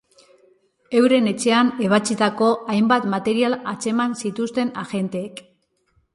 Euren etxean ebatsitako hainbat material atzeman zituzten agenteek.